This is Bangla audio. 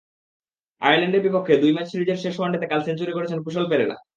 আয়ারল্যান্ডের বিপক্ষে দুই ম্যাচ সিরিজের শেষ ওয়ানডেতে কাল সেঞ্চুরি করেছেন কুশল পেরেরা।